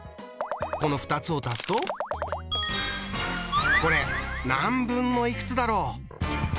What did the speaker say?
この２つを足すとこれ何分のいくつだろう？